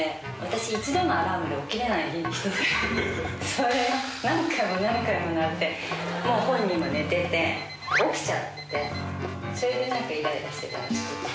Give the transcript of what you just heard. それ何回も何回も鳴ってもう本人も寝てて起きちゃってそれで何かイライラしてたらしくって。